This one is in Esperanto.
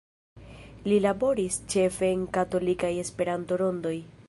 Li laboris ĉefe en katolikaj Esperanto-rondoj.